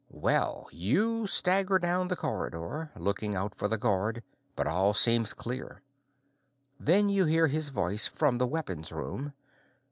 Well, you stagger down the corridor, looking out for the guard, but all seems clear. Then you hear his voice from the weapons room.